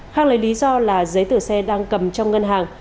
khang lấy lý do là giấy tờ xe đang cầm trong ngân hàng